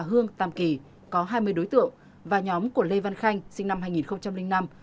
hương tam kỳ có hai mươi đối tượng và nhóm của lê văn khanh sinh năm hai nghìn năm